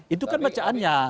itu kan bacaannya